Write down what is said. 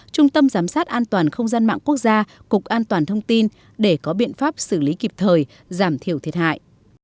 trung tâm giám sát an toàn không gian mạng quốc gia cục an toàn thông tin để có biện pháp xử lý kịp thời giảm thiểu thiệt hại